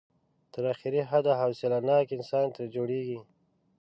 تر اخري حده حوصله ناک انسان ترې جوړېږي.